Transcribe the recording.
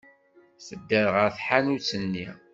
Tedda ɣer tḥanut-nni.